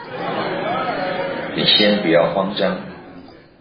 你先不要慌張